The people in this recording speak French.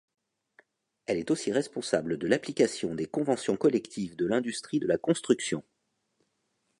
Elle est aussi responsable de l'application des conventions collectives de l'industrie de la construction.